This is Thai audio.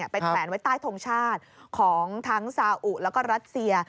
แขวนไว้ใต้ทงชาติของทั้งซาอุแล้วก็รัสเซีย